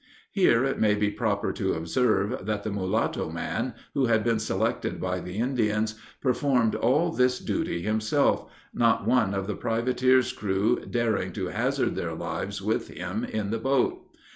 Here it may be proper to observe, that the mulatto man, who had been selected by the Indians, performed all this duty himself, not one of the privateer's crew daring to hazard their lives with him in the boat.